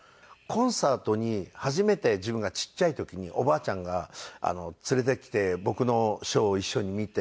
コンサートに初めて自分がちっちゃい時におばあちゃんが連れてきて僕のショーを一緒に見て。